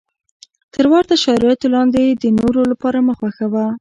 تر ورته شرایطو لاندې یې د نورو لپاره مه خوښوه.